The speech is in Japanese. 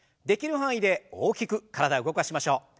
できる範囲で大きく体を動かしましょう。